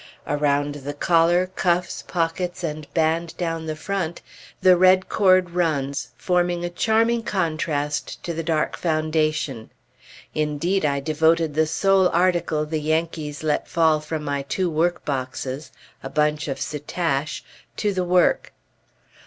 Around the collar, cuffs, pockets, and band down the front, the red cord runs, forming a charming contrast to the dark foundation. Indeed, I devoted the sole article the Yankees let fall from my two workboxes a bunch of soutache to the work.